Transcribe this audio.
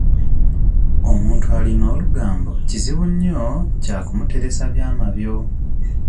Omuntu alina olugambo kizibu nnyo kya kumuteresa byama byo.